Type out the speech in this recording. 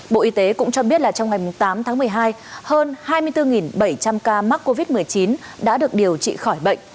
bộ y tế cũng cho biết là trong ngày tám tháng một mươi hai hơn hai mươi bốn bảy trăm linh ca mắc covid một mươi chín đã được điều trị khỏi bệnh